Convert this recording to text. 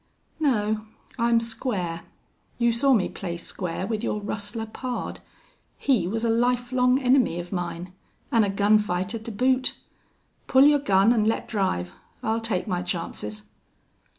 "No. I'm square. You saw me play square with your rustler pard. He was a lifelong enemy of mine. An' a gun fighter to boot!... Pull your gun an' let drive. I'll take my chances."